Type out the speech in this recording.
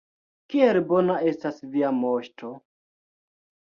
Kiel bona estas Via Moŝto!